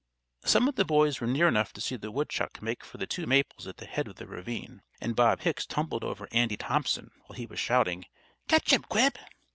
Some of the boys were near enough to see the woodchuck make for the two maples at the head of the ravine, and Bob Hicks tumbled over Andy Thompson while he was shouting: "Catch him, Quib!"